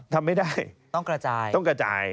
ทำไม่ได้ต้องกระจาย